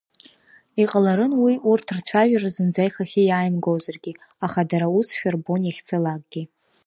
Иҟаларын уи урҭ рцәажәара зынӡа ихахьы иааимгозаргьы, аха дара усшәа рбон иахьцалакгьы…